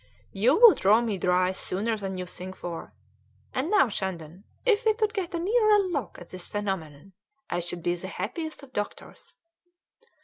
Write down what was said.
"You will draw me dry sooner than you think for; and now, Shandon, if we could get a nearer look at this phenomenon, I should be the happiest of doctors."